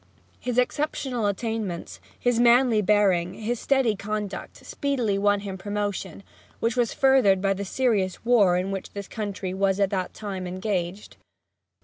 His exceptional attainments, his manly bearing, his steady conduct, speedily won him promotion, which was furthered by the serious war in which this country was at that time engaged.